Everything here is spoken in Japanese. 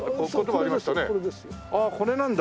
ああこれなんだ。